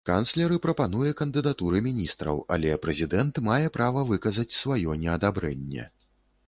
Канцлер і прапануе кандыдатуры міністраў, але прэзідэнт мае права выказаць сваё неадабрэнне.